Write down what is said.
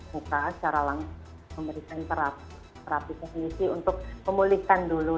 secara langsung memberikan terapi ke sisi untuk memulihkan dulu